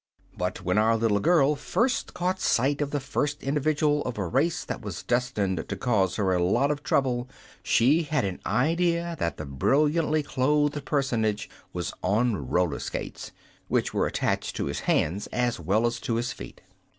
But when our little girl first caught sight of the first individual of a race that was destined to cause her a lot of trouble, she had an idea that the brilliantly clothed personage was on roller skates, which were attached to his hands as well as to his feet.